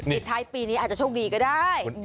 ปิดท้ายปีนี้อาจจะโชคดีก็ได้